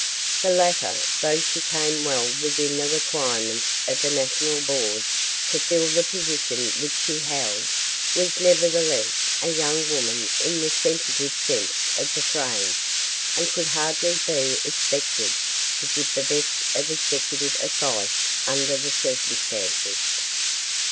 The latter, though she came well within the requirements of the national board to fill the position which she held, was nevertheless a young woman in the sensitive sense of the phrase and could hardly be expected to give the best of executive advice under the circumstances.